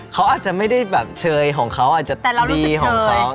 เขาอาจจะไม่ได้เชยของเขาอาจจะดีของเขาแต่เรารู้สึกเชย